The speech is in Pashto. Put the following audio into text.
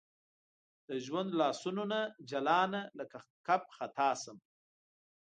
د ژوند لاسونو نه جلانه لکه کب خطا شم